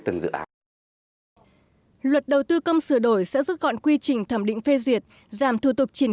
từng dự án luật đầu tư công sửa đổi sẽ giúp gọn quy trình thẩm định phê duyệt giảm thủ tục triển